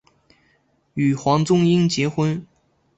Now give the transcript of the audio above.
与黄宗英结婚。